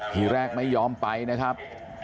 ทีแรกไม่ยอมไปนะครับ